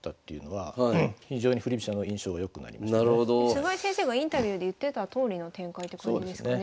菅井先生がインタビューで言ってたとおりの展開って感じですかね。